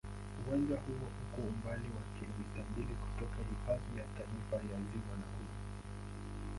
Uwanja huo uko umbali wa kilomita mbili kutoka Hifadhi ya Taifa ya Ziwa Nakuru.